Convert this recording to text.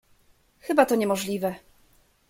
"Chyba to niemożliwe."